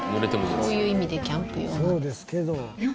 そういう意味でキャンプ用なんです。